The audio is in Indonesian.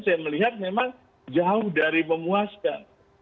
saya melihat memang jauh dari memuaskan